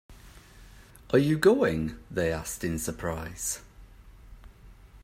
Are you going? they asked, in surprise.